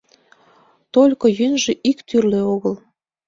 Только йӧнжӧ ик тӱрлӧ огыл.